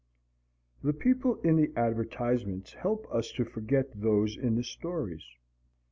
The people in the advertisements help us to forget those in the stories.